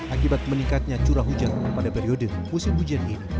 akibat meningkatnya curah hujan pada periode musim hujan ini